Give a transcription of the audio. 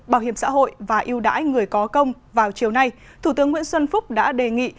bảo hiểm xã hội và yêu đãi người có công vào chiều nay thủ tướng nguyễn xuân phúc đã đề nghị